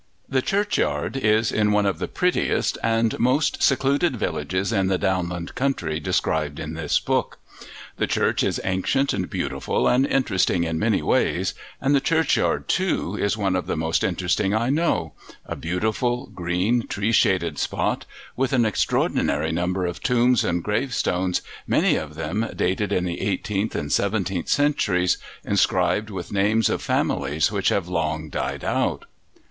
The churchyard is in one of the prettiest and most secluded villages in the downland country described in this book. The church is ancient and beautiful and interesting in many ways, and the churchyard, too, is one of the most interesting I know, a beautiful, green, tree shaded spot, with an extraordinary number of tombs and gravestones, many of them dated in the eighteenth and seventeenth centuries, inscribed with names of families which have long died out.